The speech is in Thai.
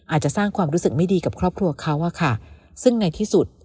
อาจจะสร้างความรู้สึกไม่ดีกับครอบครัวเขาอะค่ะซึ่งในที่สุด